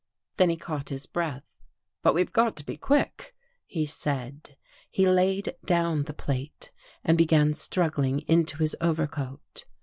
Then he caught his breath. " But we've got to be quick," he said. He laid down the plate and began struggling into his overcoat.